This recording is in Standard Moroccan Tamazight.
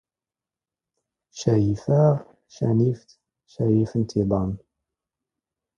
ⵛⴰ ⵢⵉⴼ ⴰⵖ, ⵛⴰ ⵏⵉⴼ ⵜ, ⵛⴰ ⵉⴼⵏ ⵜ ⵉⴹⴰⵏ.